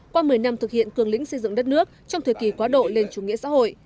qua một mươi năm thực hiện cường lĩnh xây dựng đất nước trong thời kỳ quá độ lên chủ nghĩa xã hội